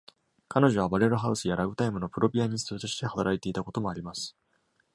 彼女はバレルハウスやラグタイムのプロピアニストとして働いていたこともあります。